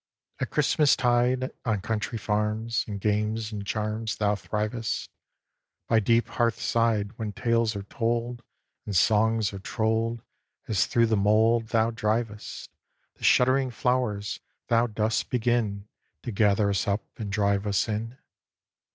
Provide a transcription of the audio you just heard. At Christmas tide, On country farms In games and charms Thou thrivest; By deep hearth side, When tales are told And songs are trolled, As through the mould Thou drivest The shuddering flowers, thou dost begin To gather us up, and drive us in.